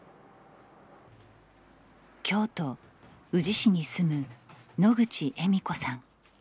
京都・宇治市に住む野口えみ子さん。